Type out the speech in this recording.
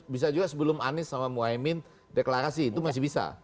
bisa juga sebelum anies sama muhaymin deklarasi itu masih bisa